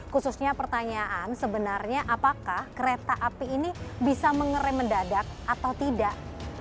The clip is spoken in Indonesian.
khususnya pertanyaan sebenarnya apakah kereta api ini bisa mengerai mendadak atau tidak